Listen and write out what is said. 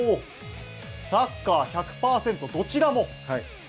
サッカー１００％、どちらも。